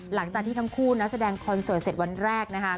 หลังจากที่ทั้งคู่นักแสดงคอนเสิร์ตเสร็จวันแรกนะคะ